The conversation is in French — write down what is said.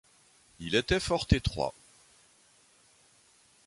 Il était fort étroit.